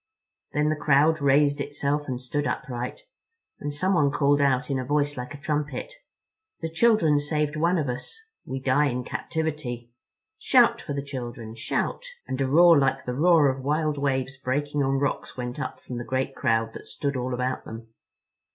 Then the crowd raised itself and stood upright, and someone called out in a voice like a trumpet: "The children saved one of us—We die in captivity. Shout for the children. Shout!" And a roar like the roar of wild waves breaking on rocks went up from the great crowd that stood all about them.